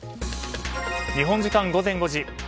日本時間午前５時。